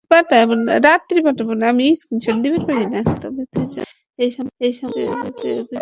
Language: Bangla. তবে, তুই জানোস, এই সম্পর্ক আভি কখনো ছিলোই না।